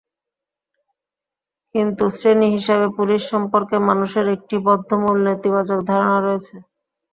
কিন্তু শ্রেণী হিসেবে পুলিশ সম্পর্কে মানুষের একটি বদ্ধমূল নেতিবাচক ধারণা রয়েছে।